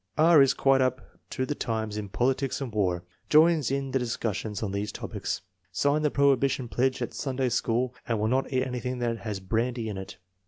B. is quite up to the times in politics and war. Joins in the discussions on these topics. Signed the prohibition pledge at Sunday School and will not eat anything that has brandy in it.